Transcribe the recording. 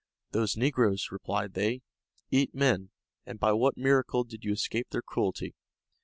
"Those negroes," replied they, "eat men; and by what miracle did you escape their cruelty?"